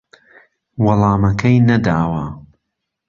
وەڵامەکەی نەداوە